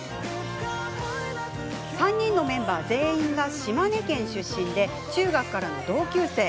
３人のメンバー全員が島根県出身で中学からの同級生。